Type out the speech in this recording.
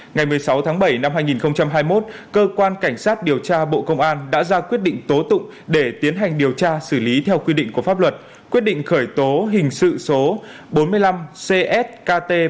ngày một mươi sáu tháng bảy năm hai nghìn hai mươi một cơ quan cảnh sát điều tra bộ công an đã ra quyết định tố tụng để tiến hành điều tra xử lý theo quy định của pháp luật